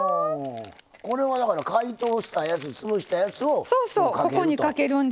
これはだから解凍したやつ潰したやつをここにかけると。